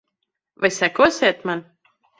Vai sekosiet man?